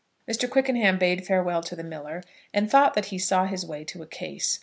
Mr. Quickenham bade farewell to the miller, and thought that he saw a way to a case.